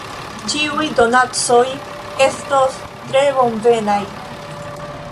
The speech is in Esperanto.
Ĉiuj donacoj estos tre bonvenaj.